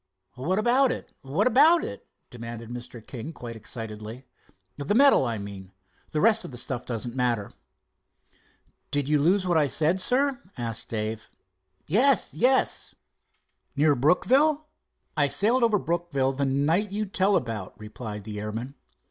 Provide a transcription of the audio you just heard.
"What about it—what about it?" demanded Mr. King quite excitedly. "The medal, I mean. The rest of the stuff doesn't matter." "Did you lose what I said, sir?" asked Dave. "Yes, yes!" "Near Brookville?" "I sailed over Brookville the night you tell about," replied the airman.